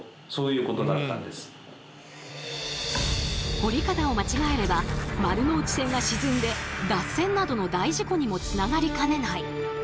掘り方を間違えれば丸ノ内線が沈んで脱線などの大事故にもつながりかねない。